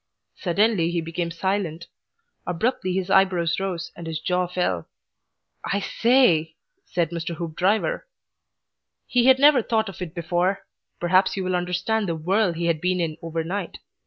Suddenly he became silent. Abruptly his eyebrows rose and his jaw fell. "I sa a ay!" said Mr. Hoopdriver. He had never thought of it before. Perhaps you will understand the whirl he had been in overnight.